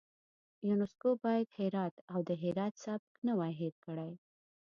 یونسکو باید هرات او د هرات سبک نه وای هیر کړی.